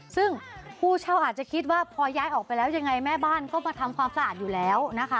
ซึ่งผู้เช่าอาจจะคิดว่าพอย้ายออกไปแล้วยังไงแม่บ้านก็มาทำความสะอาดอยู่แล้วนะคะ